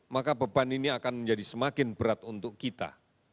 maka beban ini akan menjadi semakin berat untuk kita